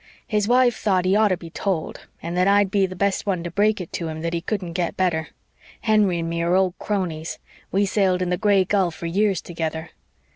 His wife thought he oughter be told and that I'd be the best one to break it to him that he couldn't get better. Henry and me are old cronies we sailed in the Gray Gull for years together.